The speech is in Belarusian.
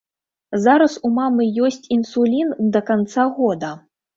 Зараз у мамы ёсць інсулін да канца года.